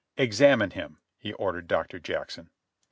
"Examine him," he ordered Doctor Jackson.